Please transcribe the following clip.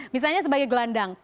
misalnya sebagai gelandang